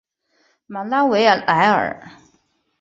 马拉维莱尔。